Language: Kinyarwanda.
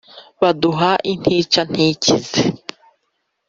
baduha intica ntikize